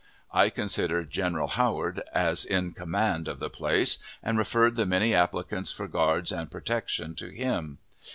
I considered General Howard as in command of the place, and referred the many applicants for guards and protection to him.